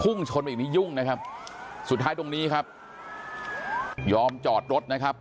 ชนไปอีกนี้ยุ่งนะครับสุดท้ายตรงนี้ครับยอมจอดรถนะครับ